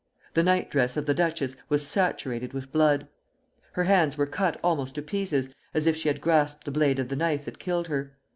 The nightdress of the duchess was saturated with blood. Her hands were cut almost to pieces, as if she had grasped the blade of the knife that killed her.